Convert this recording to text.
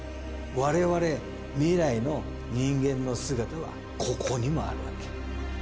我々未来の人間の姿はここにもあるわけ。